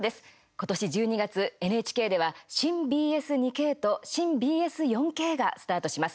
今年１２月、ＮＨＫでは新ＢＳ２Ｋと新ＢＳ４Ｋがスタートします。